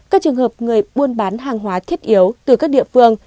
các trường hợp người buôn bán hàng hóa thiết yếu từ các địa phương